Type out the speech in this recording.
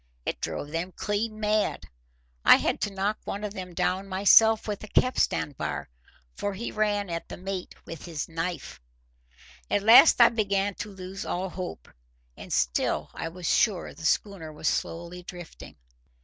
It drove them clean mad. I had to knock one of them down myself with a capstan bar, for he ran at the mate with his knife. At last I began to lose all hope. And still I was sure the schooner was slowly drifting.